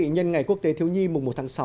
nhân ngày quốc tế thiếu nhi mùng một tháng sáu